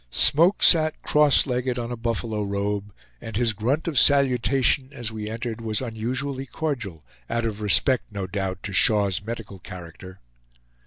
Smoke sat cross legged on a buffalo robe, and his grunt of salutation as we entered was unusually cordial, out of respect no doubt to Shaw's medical character.